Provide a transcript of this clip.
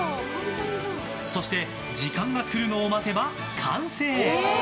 そして時間が来るのを待てば完成。